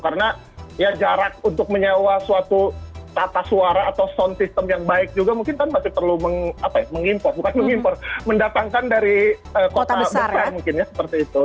karena ya jarak untuk menyewa suatu tata suara atau sound system yang baik juga mungkin kan masih perlu mengimpor bukan mengimpor mendatangkan dari kota besar mungkin ya seperti itu